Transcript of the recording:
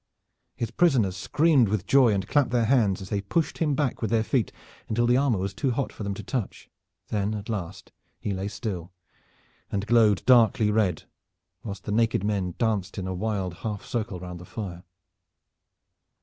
His prisoners screamed with joy and clapped their hands as they pushed him back with their feet until the armor was too hot for them to touch. Then at last he lay still and glowed darkly red, whilst the naked men danced in a wild half circle round the fire.